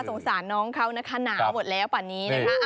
สงสารน้องเขานะคะหนาวหมดแล้วป่านนี้นะคะ